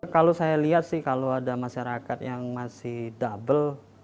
kalau saya lihat sih kalau ada masyarakat yang masih double